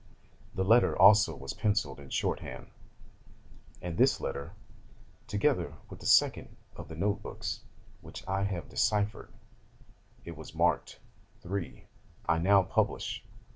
The letter also was pencilled in shorthand; and this letter, together with the second of the note books which I have deciphered (it was marked 'III.'), I now publish.